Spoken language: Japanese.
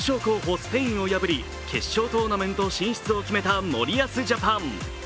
スペインを破り決勝トーナメント進出を決めた森保ジャパン。